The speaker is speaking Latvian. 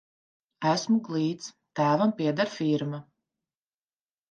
Esmu glīts, tēvam pieder firma.